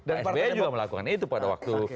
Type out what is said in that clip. dan partai juga melakukan itu pada waktu